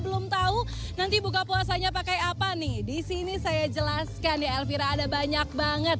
belum tahu nanti buka puasanya pakai apa nih di sini saya ijelaskan silence vira ada banyak banget ada kalauu heart miss yang masih barbie misalnya bisa pokok semangat